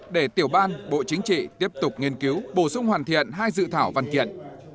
để tiểu ban bộ chính trị tiếp tục nghiên cứu bổ sung hoàn thiện hai dự thảo văn kiện